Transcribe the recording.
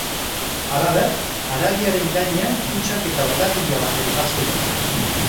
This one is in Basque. Halaber, haragiaren gainean kutxak eta orgatila bat ere bazeuden.